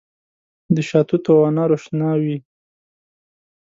د شاتوتو او انارو شنه وي